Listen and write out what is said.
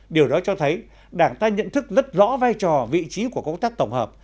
điều đó cho thấy đảng ta nhận thức rất rõ vai trò vị trí của công tác tổng hợp